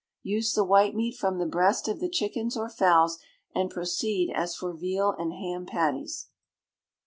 Use the white meat from the breast of the chickens or fowls, and proceed as for veal and ham patties.